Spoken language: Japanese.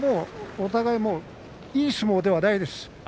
お互いにいい相撲ではないですし